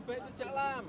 tkn harus dibubarkan